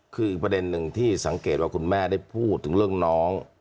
คืออีกประเด็นหนึ่งที่สังเกตว่าคุณแม่ได้พูดถึงเรื่องน้อง